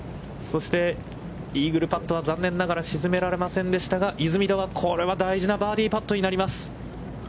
そして、イーグルパットは残念ながら沈められませんでしたが、出水田は、これは大事なバーディーパットになります。